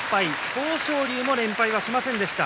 豊昇龍も連敗はしませんでした。